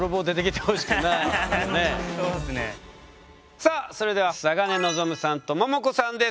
さあそれでは嵯峨根望さんとももこさんです。